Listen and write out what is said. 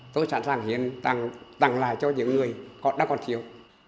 tôi sẵn sàng hiến tạng lại cho những người đã còn thiếu